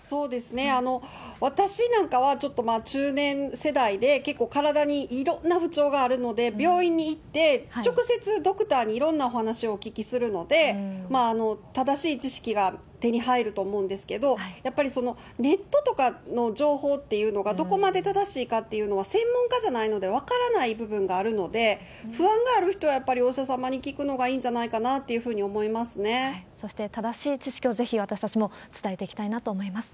私なんかは、ちょっと中年世代で、結構体にいろんな不調があるので、病院に行って、直接ドクターにいろんなお話をお聞きするので、正しい知識が手に入ると思うんですけど、やっぱりネットとかの情報っていうのが、どこまで正しいかっていうのは、専門家じゃないので分からない部分があるので、不安がある人はやっぱりお医者様に聞くのがいいんじゃないかなっそして、正しい知識をぜひ私たちも伝えていきたいなと思います。